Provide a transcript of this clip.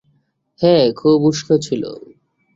হ্যাঁ, খুব উষ্ণ ছিল।